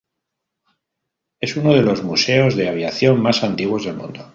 Es uno de los museos de aviación más antiguos del mundo.